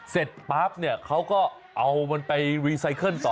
เสร็จปั๊บเนี่ยเขาก็เอามันไปรีไซเคิลต่อ